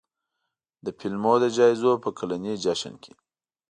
د فلمونو د جایزو په کلني جشن کې